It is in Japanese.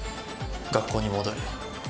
学校に戻る。